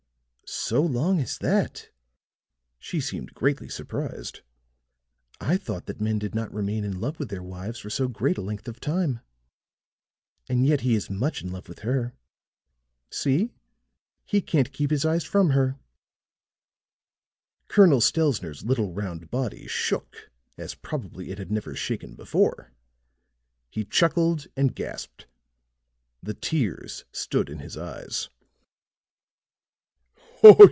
"So long as that!" She seemed greatly surprised. "I thought that men did not remain in love with their wives for so great a length of time. And yet he is much in love with her. See, he can't keep his eyes from her." Colonel Stelzner's little round body shook as probably it had never shaken before. He chuckled and gasped; the tears stood in his eyes.